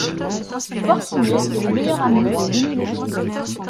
Porcinet est le meilleur ami de Winnie l'ourson.